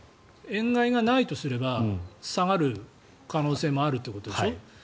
円買いがないとすれば下がる可能性もあるということでしょ？